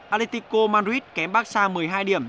atletico madrid kém bác sa một mươi hai điểm